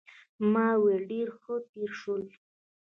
ما وویل ډېره ښه تېره شول.